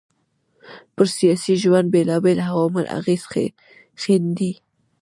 پر سياسي ژوند بېلابېل عوامل اغېز ښېندي